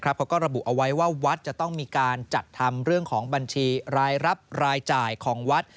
เขาก็ระบุเอาไว้ว่าวัดจะต้องมีการจัดทำเรื่องของบัญชีรายรับรายจ่ายของวัด